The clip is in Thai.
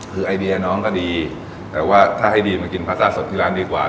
คือไอเดียน้องก็ดีแต่ว่าถ้าให้ดีมากินพาสต้าสดที่ร้านดีกว่า